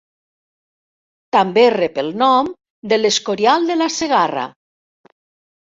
També rep el nom de l'Escorial de la Segarra.